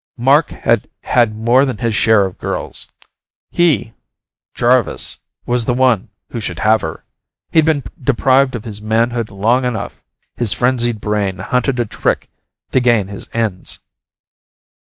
Mark had had more than his share of girls. He, Jarvis, was the one who should have her! He'd been deprived of his manhood long enough! His frenzied brain hunted a trick to gain his ends.